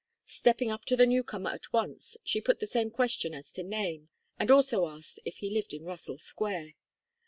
Stepping up to the newcomer at once, she put the same question as to name, and also asked if he lived in Russell Square.